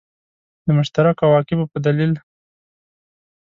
د مشترکو عواقبو په دلیل.